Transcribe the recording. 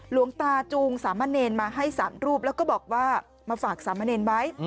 หลวงตาจูงสามะเนรมาให้๓รูปแล้วก็บอกว่ามาฝากสามเณรไว้